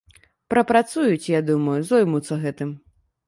Прапрацуюць, я думаю, зоймуцца гэтым.